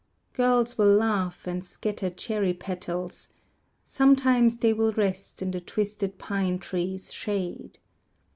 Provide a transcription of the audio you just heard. Girls will laugh and scatter cherry petals, Sometimes they will rest in the twisted pine trees' shade.